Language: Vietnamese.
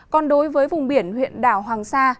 còn đối với vùng biển huyện đảo hoàng sa